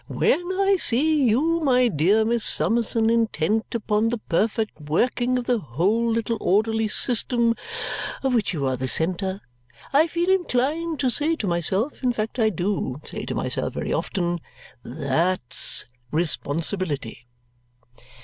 When I see you, my dear Miss Summerson, intent upon the perfect working of the whole little orderly system of which you are the centre, I feel inclined to say to myself in fact I do say to myself very often THAT'S responsibility!"